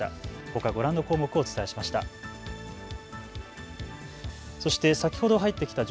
ほか、ご覧の項目をお伝えしました。